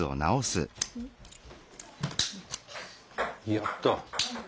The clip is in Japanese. やった。